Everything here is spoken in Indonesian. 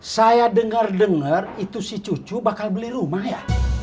saya dengar dengar itu si cucu bakal beli rumah ya